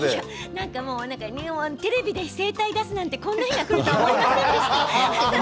テレビで声帯を出すなんてこんな日が来ると思いませんでした。